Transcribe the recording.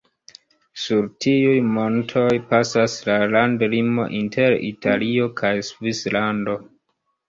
Sur tiuj montoj pasas la landlimo inter Italio kaj Svislando.